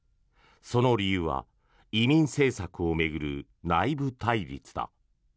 その理由は移民政策を巡る内部対立だ。